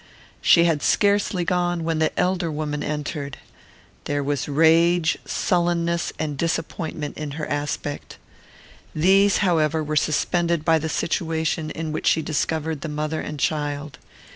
She had scarcely gone, when the elder woman entered. There was rage, sullenness, and disappointment in her aspect. These, however, were suspended by the situation in which she discovered the mother and child.